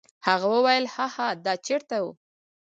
هغه وویل: هاها دا چیرته و؟